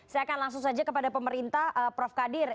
saya akan langsung saja kepada pemerintah prof kadir